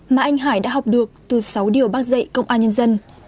mà anh hải đã học được từ sáu điều bác dạy công an nhân dân